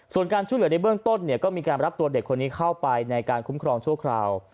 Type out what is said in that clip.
ส่วนการช่วยเหลือในเบื้องต้นเนี่ยก็มีการรับตัวเด็กคนนี้เข้าไปในการคุ้มครองชั่วคราว